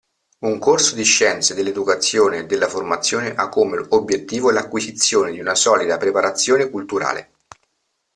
Un corso di scienze dell'Educazione e della Formazione ha come obbiettivo l'acquisizione di una solida preparazione culturale